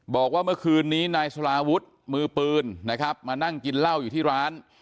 บอกว่าเมื่อคืนนี้นายสลาวุฒิมือปืนนะครับมานั่งกินเหล้าอยู่ที่ร้าน